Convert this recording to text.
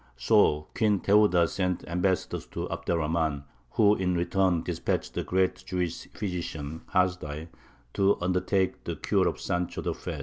So Queen Theuda sent ambassadors to Abd er Rahmān, who in return despatched the great Jewish physician, Hasdai, to undertake the cure of Sancho the Fat.